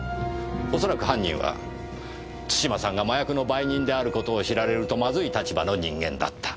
おそらく犯人は津島さんが麻薬の売人である事を知られるとまずい立場の人間だった。